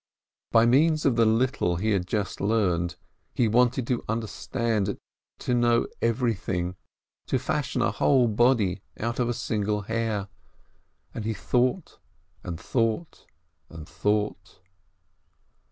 By means of the little he had just learned, he wanted to understand and know everything, to fash ion a whole body out of a single hair, and he thought, and thought, and thought.